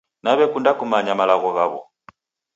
Nawekunda kumanya malagho ghaw'o